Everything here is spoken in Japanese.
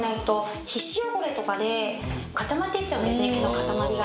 毛の塊が。